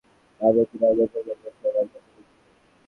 হোসনে আরা ইসলাম বেবী আপা নামেই তিনি আমাদের প্রজন্মের সবার কাছে পরিচিত।